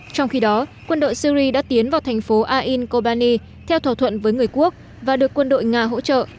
trong khi đó quân đội syri đã tiến vào thành phố ain kobani theo thỏa thuận với người quốc và được quân đội nga hỗ trợ